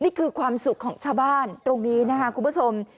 นี่คือความสุขของชาวบ้านตรงนี้นะคะคุณผู้ชม